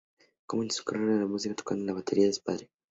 Comenzó su carrera de la música tocando la batería de su padre.